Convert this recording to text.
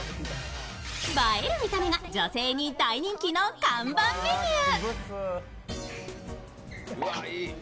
映える見た目が女性に大人気の看板メニュー。